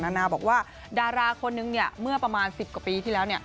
นานาบอกว่าดาราคนนึงเนี่ยเมื่อประมาณสิบกว่าปีที่แล้วเนี่ย